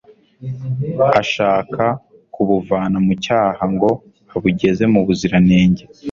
ashaka kubuvana mu cyaha ngo abugeze mu buziranenge